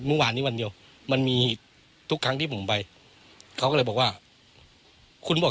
เมื่อวานนี้วันเดียวมันมีทุกครั้งที่ผมไปเขาก็เลยบอกว่าคุณบอก